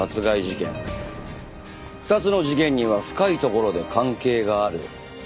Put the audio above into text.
２つの事件には深いところで関係がある。